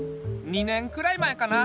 ２年くらい前かな。